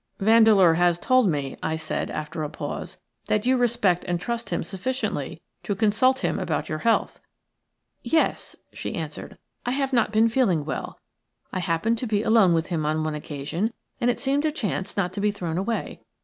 "Vandeleur has told me," I said, after a pause, "that you respect and trust him sufficiently to consult him about your health." "Yes," she answered. "I have not been feeling well, I happened to be alone with him on one occasion, and it seemed a chance not to be thrown away.